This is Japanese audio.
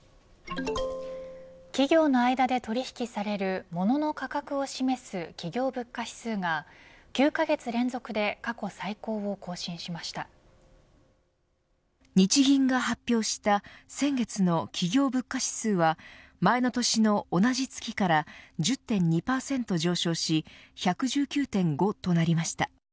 企業の間で取り引きされるものの価格を示す企業物価指数が９カ月連続で日銀が発表した先月の企業物価指数は前の年の同じ月から１０．２％上昇し１１９．５となりました。